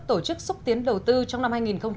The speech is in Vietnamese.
tổ chức xúc tiến đầu tư trong năm hai nghìn một mươi tám